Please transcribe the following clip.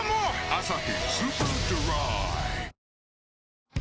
「アサヒスーパードライ」